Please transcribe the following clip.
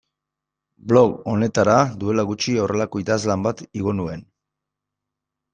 Blog honetara duela gutxi horrelako idazlan bat igo nuen.